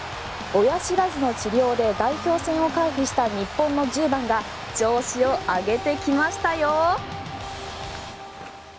親知らずの治療で代表戦を回避した日本の１０番が調子を上げてきましたよ。